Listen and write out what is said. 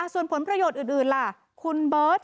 ส่วนผลประโยชน์อื่นล่ะคุณเบิร์ต